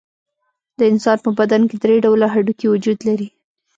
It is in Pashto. د انسان په بدن کې درې ډوله هډوکي وجود لري.